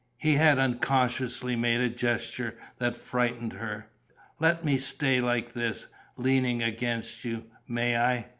He had unconsciously made a gesture that frightened her. "Let me stay like this, leaning against you. May I?